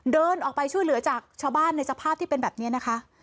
เดินออกไปช่วยเหลือจากชาวบ้านในสภาพที่เป็นแบบนี้นะคะ